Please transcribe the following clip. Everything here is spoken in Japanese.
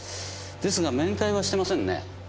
ですが面会はしてませんね。